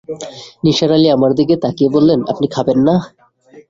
নিসার আলি আমার দিকে তাকিয়ে বললেন, আপনি খবেন না?